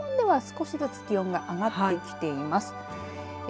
西日本では少しずつ気温が上がってきています。